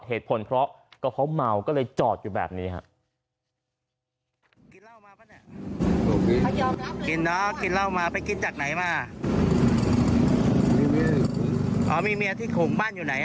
เหตุผลเพราะก็เพราะเมาก็เลยจอดอยู่แบบนี้ครับ